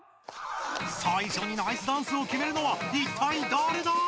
最初にナイスダンスをきめるのはいったいだれだ！？